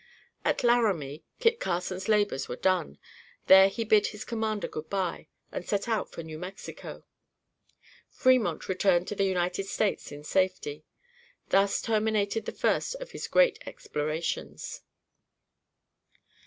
At Laramie, Kit Carson's labors were done. There he bid his commander good bye and set out for New Mexico. Fremont returned to the United States in safety. Thus terminated the first of his great explorations.